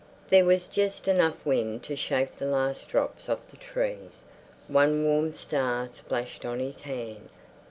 There was just enough wind to shake the last drops off the trees; one warm star splashed on his hand.